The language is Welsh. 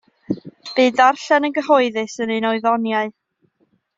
Bu ddarllen yn gyhoeddus yn un o'i ddoniau.